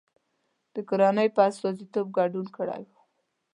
د کورنۍ په استازیتوب ګډون کړی و.